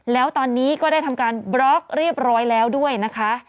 แล้วตอนนี้ก็ได้ทำการบล็อกเรียบร้อยแล้วด้วยนะคะ